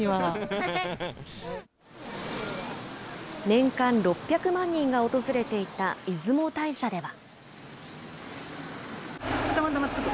年間６００万人が訪れていた出雲大社では。